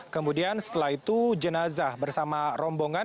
kemudian setelah itu jenazah bersama rombongan